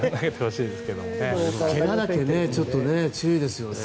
怪我だけ注意ですよね。